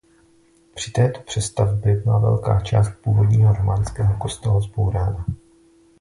Při této přestavbě byla velká část původního románského kostela zbourána.